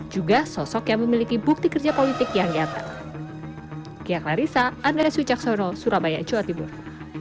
juga sosok yang memiliki bukti kerja politik yang nyata